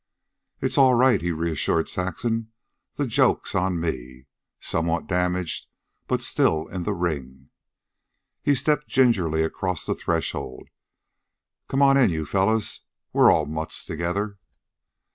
"It's all right," he reassured Saxon. "The joke's on me. Somewhat damaged but still in the ring." He stepped gingerly across the threshold. " Come on in, you fellows. We're all mutts together."